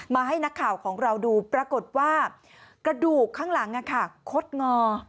ให้นักข่าวของเราดูปรากฏว่ากระดูกข้างหลังคดงอ